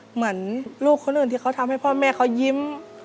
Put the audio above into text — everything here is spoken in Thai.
เหมือนลูกคนอื่นที่เขาทำให้พ่อแม่เขายิ้ม